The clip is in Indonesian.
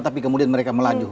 tapi kemudian mereka melaju